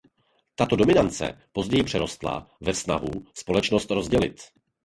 Tato dominance později přerostla ve snahu společnost rozdělit.